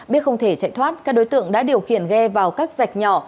biết không thể chạy thoát các đối tượng đã điều khiển ghe vào các dạch nhỏ